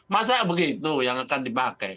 masa begitu yang akan dipakai